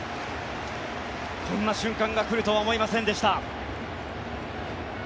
こんな瞬間が来るとは思いませんでした。